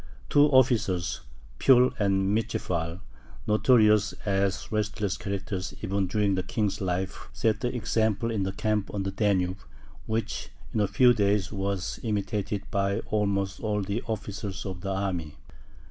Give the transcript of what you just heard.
Two officers, Pfuhl and Mitschefal, notorious as restless characters, even during the King's life, set the example in the camp on the Danube, which in a few days was imitated by almost all the officers of the army.